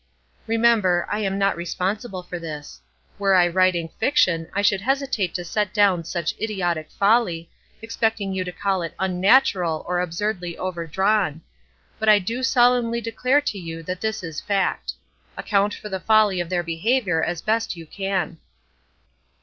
Remember, I am not responsible for this. Were I writing fiction I should hesitate to set down such idiotic folly, expecting you to call it unnatural or absurdly overdrawn; but I do solemnly declare to you that this is fact. Account for the folly of their behavior as best you can.